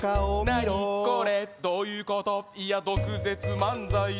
なにこれどういうこといやどくぜつまんざいどこいったの？